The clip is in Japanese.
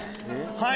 はい！